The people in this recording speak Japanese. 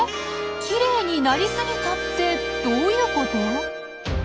「きれいになりすぎた」ってどういうこと？